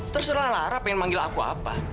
terserah lara pengen manggil aku apa